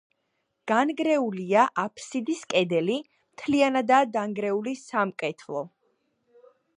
განგრეულია აფსიდის კედელი, მთლიანადაა დანგრეული სამკვეთლო.